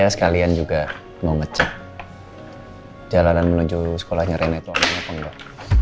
sekalian juga mau ngecek jalanan menuju sekolahnya rena itu apa enggak